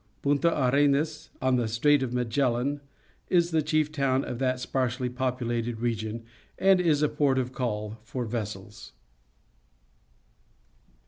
Ptinta Arenas, on the Strait of Magellan, is the chief town of that sparsely populated region and is a port of call for vessels.